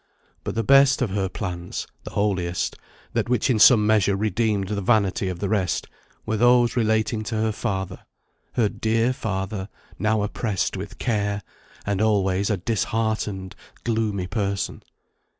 But the best of her plans, the holiest, that which in some measure redeemed the vanity of the rest, were those relating to her father; her dear father, now oppressed with care, and always a disheartened, gloomy person.